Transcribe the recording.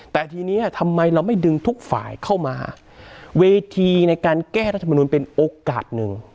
แต่ทีนี้ทำไมเราไม่ดึงทุกฝ่ายเข้ามาเวทีในการแก้รัฐมนุนเป็นโอกาสหนึ่ง